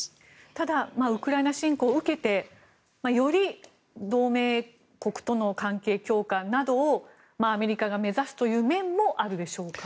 ただウクライナ侵攻を受けてより同盟国との関係強化などをアメリカが目指すという面もあるでしょうか？